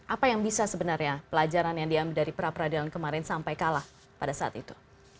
apa yang bisa sebenarnya pelajaran yang diambil dari pra peradilan kemarin sampai kalah pada saat itu